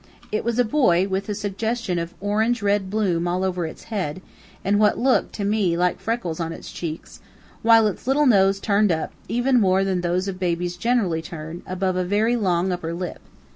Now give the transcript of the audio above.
It was a boy, with a suggestion of orange red bloom all over its head, and what looked, to me, like freckles on its cheeks; while its little nose turned up, even more than those of babies generally turn above a very long upper lip.